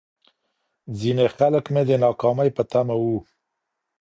ځيني خلک مې د ناکامۍ په تمه وو.